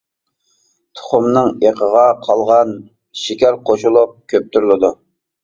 تۇخۇمنىڭ ئېقىغا قالغان شېكەر قوشۇلۇپ كۆپتۈرۈلىدۇ.